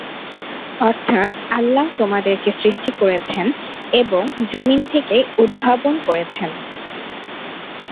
অর্থাৎ আল্লাহ তোমাদেরকে সৃষ্টি করেছেন এবং যমীন থেকে উদ্ভাবন করেছেন।